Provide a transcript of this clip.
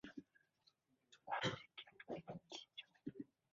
高知県越知町